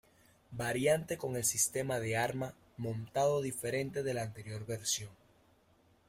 Variante con el sistema de arma montado diferente de la anterior versión.